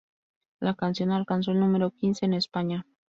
La canción alcanzó el número quince en España.